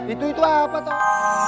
itu itu apa toh